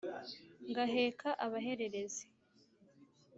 ngaheka abahererezi